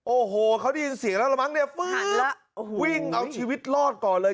โอ้โหเขาได้ยินเสียงแล้วละมั้งเนี่ยฟื้นแล้ววิ่งเอาชีวิตรอดก่อนเลย